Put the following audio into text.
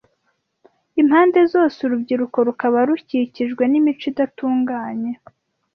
impande zose urubyiruko rukaba rukikijwe n’imico idatunganye,